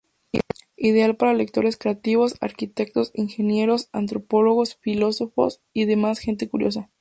Ideal para lectores creativos, arquitectos, ingenieros, antropólogos, psicólogos y demás gente curiosa.